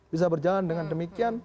bisa berjalan dengan demikian